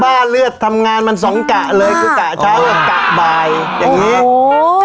บ้าเลือดทำงานมันสองกะเลยคือกะเช้ากะบายอย่างนี้